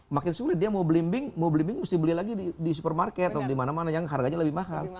makin sulit dia mau belimbing mau belimbing mesti beli lagi di supermarket atau di mana mana yang harganya lebih mahal